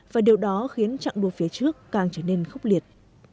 và điều đó khiến chặng đua phía trước càng trở nên khốc liệt